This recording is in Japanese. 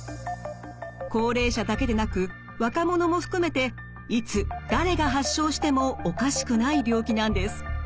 高齢者だけでなく若者も含めていつ誰が発症してもおかしくない病気なんです。